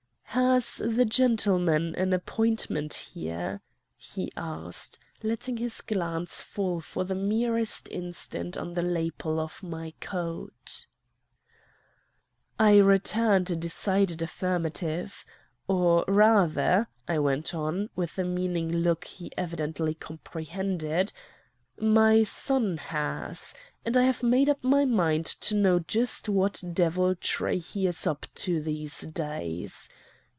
"'Has the gentleman an appointment here?' he asked, letting his glance fall for the merest instant on the lapel of my coat. "I returned a decided affirmative. Or rather, I went on, with a meaning look he evidently comprehended, 'my son has, and I have made up my mind to know just what deviltry he is up to these days.